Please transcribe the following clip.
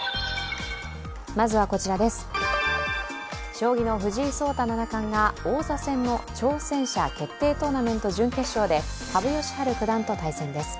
将棋の藤井聡太七冠が、王座戦の挑戦者決定トーナメント準決勝で羽生善治九段と対戦です。